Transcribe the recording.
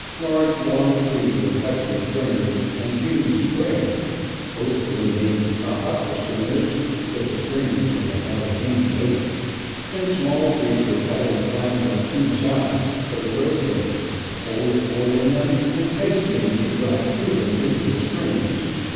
Large, long trees were cut for stringers, and hewn square, posts were made to prop up the stringers, though the stringers would have held any weight. Then small trees were cut and flattened on two sides, for the road bed, holes bored in them and pegs made to drive through them into the stringers.